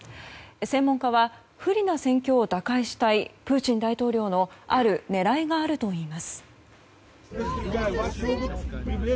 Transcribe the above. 専門家は不利な戦況を打開したいプーチン大統領のある狙いがあるといいます。